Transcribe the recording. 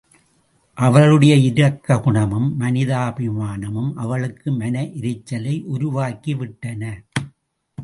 அவருடைய இரக்க குணமும், மனிதாபிமானமும் அவளுக்கு மன எரிச்சலை உருவாக்கிவிட்டன.